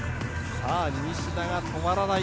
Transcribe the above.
西田が止まらない。